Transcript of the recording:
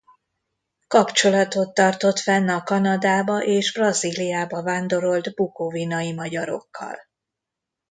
Kapcsolatot tartott fenn a Kanadába és Brazíliába vándorolt bukovinai magyarokkal.